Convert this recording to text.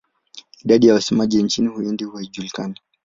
Idadi ya wasemaji nchini Uhindi haijulikani.